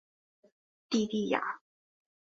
蒂蒂雅。